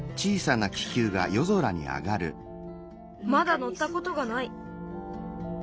まだのったことがない。